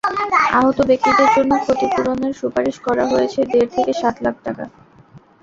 আহত ব্যক্তিদের জন্য ক্ষতিপূরণের সুপারিশ করা হয়েছে দেড় থেকে সাত লাখ টাকা।